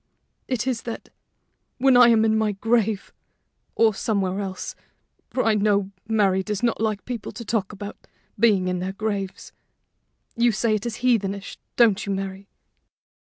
It is that, when I am in my grave or somewhere else, for I know Mary does not like people to talk about being in their graves you say it is heathenish, don't you, Mary?